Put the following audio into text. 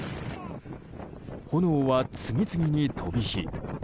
炎は次々に飛び火。